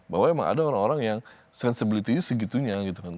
bahwa memang ada orang orang yang sensibility nya segitunya gitu kan